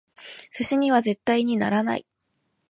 寿司には絶対にならない！